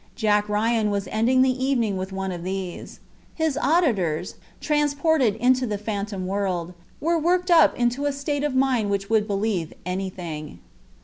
Jack Ryan was ending the evening with one of these. His auditors, transported into the phantom world, were worked up into a state of mind which would believe anything.